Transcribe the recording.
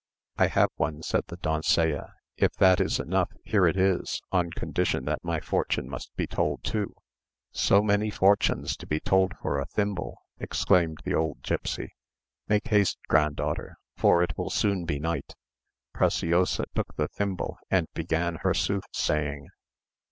"I have one," said the doncella; "if that is enough, here it is, on condition that my fortune be told too." "So many fortunes to be told for a thimble!" exclaimed the old gipsy. "Make haste, granddaughter, for it will soon be night." Preciosa took the thimble, and began her sooth saying.